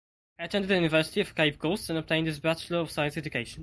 He attended the University of Cape Coast and obtained his Bachelor of Science Education.